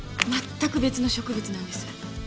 全く別の植物なんです。